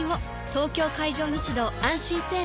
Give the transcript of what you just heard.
東京海上日動あんしん生命